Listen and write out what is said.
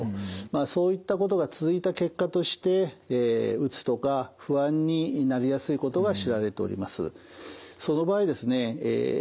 まあそういったことが続いた結果としてうつとか不安になりやすいことが知られております。